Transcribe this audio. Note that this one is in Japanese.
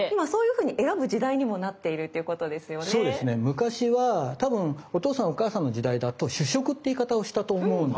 昔は多分お父さんお母さんの時代だと主食って言い方をしたと思うんですよ。